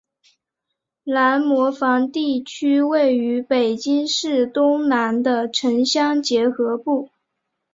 南磨房地区位于北京市东南的城乡结合部。